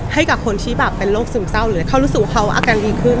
ให้กับคนที่แบบเป็นโรคซึมเศร้าหรือเขารู้สึกว่าเขาอาการดีขึ้น